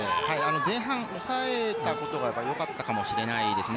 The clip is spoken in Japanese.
前半、抑えたことがよかったかもしれないですね。